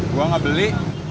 gue gak beli